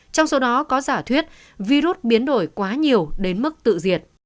trong số đó có giả thuyết virus biến đổi quá nhiều đến mức tự diệt